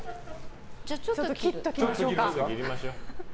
ちょっと切っておきましょうか。